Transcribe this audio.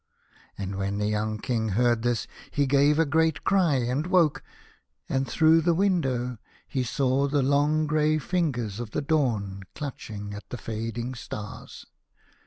And when the young King heard this he gave a great cry, and woke, and through the window he saw the long grey lingers of the dawn clutching at the fading stars.